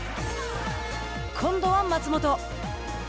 今度は松本。